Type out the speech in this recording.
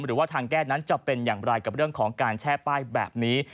หรือว่าทางแก้นั้นจะเป็นอย่างไรกับเรื่องของการแช่ป้ายแบบนี้